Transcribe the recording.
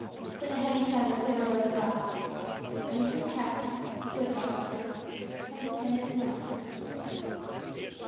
With a heavy sigh the sailor rose at length, wakened Cuffy, who had gone to sleep, and descended the mountain.